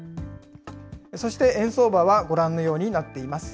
そして円相場はご覧のようになっています。